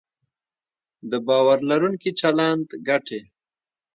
د باور لرونکي چلند ګټې